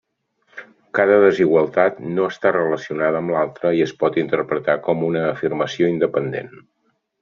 Cada desigualtat no està relacionada amb l'altra i es pot interpretar com una afirmació independent.